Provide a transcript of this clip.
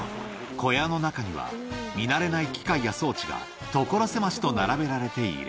小屋の中には、見慣れない機械や装置が、所狭しと並べられている。